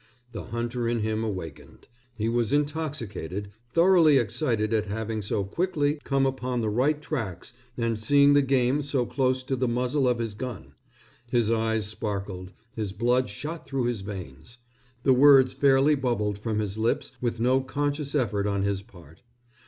The hunter in him awakened. He was intoxicated, thoroughly excited at having so quickly come upon the right tracks and at seeing the game so close to the muzzle of his gun. His eyes sparkled, his blood shot through his veins. The words fairly bubbled from his lips with no conscious effort on his part.